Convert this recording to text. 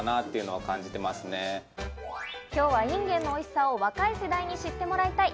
今日はインゲンのおいしさを若い世代に知ってもらいたい。